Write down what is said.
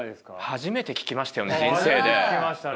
初めて聞きましたよね人生で。